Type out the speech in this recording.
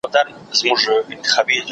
هر ماشوم بايد مکتب ته لاړ سي.